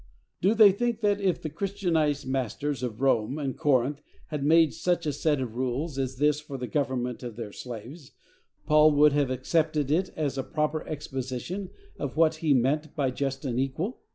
Do they think that, if the Christianized masters of Rome and Corinth had made such a set of rules as this for the government of their slaves, Paul would have accepted it as a proper exposition of what he meant by just and equal?